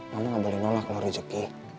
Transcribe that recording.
mama gak boleh nolak kalau rezeki